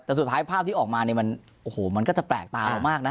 แต่สุดท้ายภาพที่ออกมาเนี่ยมันก็จะแปลกตามากนะ